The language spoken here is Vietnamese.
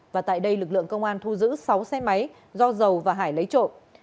và tại đây lực lượng công an thu giữ sáu xe máy do dầu và hải lấy trộm